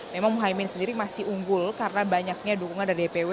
memang muhaymin sendiri masih unggul karena banyaknya dukungan dari dpw